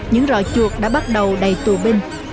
những rọi chuột đã bắt đầu đầy tù binh